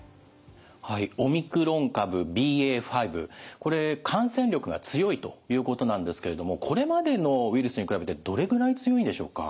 はいオミクロン株ＢＡ．５これ感染力が強いということなんですけれどもこれまでのウイルスに比べてどれぐらい強いんでしょうか？